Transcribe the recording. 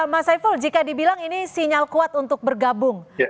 mas saiful jika dibilang ini sinyal kuat untuk bergabung